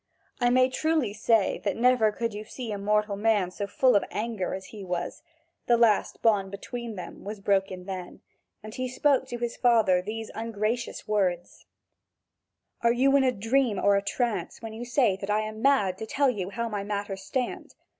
I may truly say that never could you see a mortal man so full of anger as he was; the last bond between them was broken then, as he spoke to his father these ungracious words: "Are you in a dream or trance, when you say that I am mad to tell you how my matters stand?